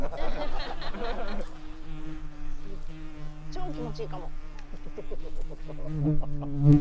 超気持ちいいかも。